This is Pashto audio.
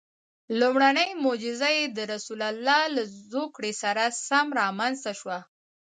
لومړنۍ معجزه یې د رسول الله له زوکړې سره سم رامنځته شوه.